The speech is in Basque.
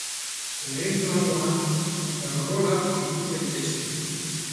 Lehen planoan, fruta-arbolak ikus daitezke.